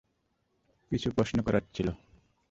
কিছু প্রশ্ন করার ছিল।